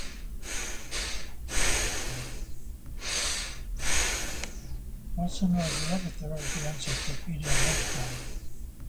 Watson was the editor of the "Encyclopaedia Medica".